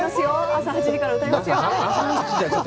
朝８時から歌いますよ。